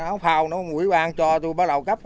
áo phao nó quỹ ban cho tôi bắt đầu cắp